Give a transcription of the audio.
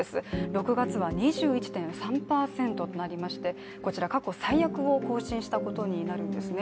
６月は２１．３％となりましてこちら過去最悪を更新したことになるんですね。